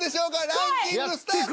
ランキングスタート。